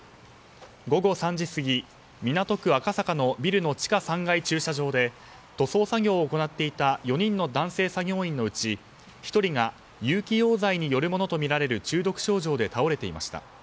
午後３時過ぎ、港区赤坂のビルの地下３階駐車場で塗装作業を行っていた４人の男性作業員のうち１人が有機溶剤によるものとみられる中毒症状で倒れていました。